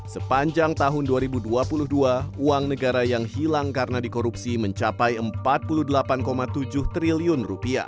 sepanjang tahun dua ribu dua puluh dua uang negara yang hilang karena dikorupsi mencapai rp empat puluh delapan tujuh triliun